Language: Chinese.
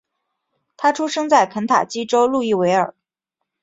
他出生在肯塔基州路易维尔。